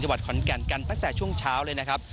วัดขอนแก่นกันตั้งแต่ช่วงเช้าเลยนะครับ